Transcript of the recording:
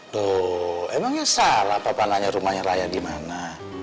loh emangnya salah papa nanya rumahnya raya dimana